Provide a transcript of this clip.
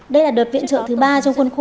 đây là đợt viện trợ thứ ba trong khuôn khổ